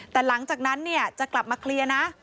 แต่หลังจากนั้นเนี่ยจะกลับมาเคลียร์นะ